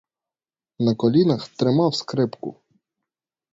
На колінах тримав скрипку.